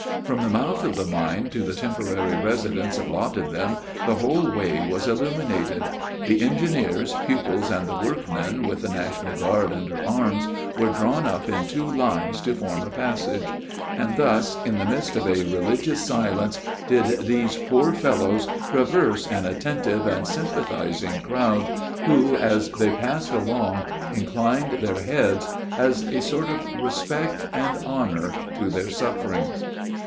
From the mouth of the mine to the temporary residence allotted them, the whole way was illuminated. The engineers, pupils, and the workmen, with the National Guard under arms, were drawn up in two lines to form a passage; and thus, in the midst of a religious silence, did these poor fellows traverse an attentive and sympathizing crowd, who, as they passed along, inclined their heads, as a sort of respect and honor to their sufferings.